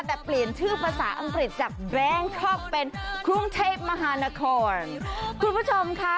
แต่เปลี่ยนชื่อภาษาอังกฤษจากแบรนด์ท็อกเป็นกรุงเทพมหานครคุณผู้ชมค่ะ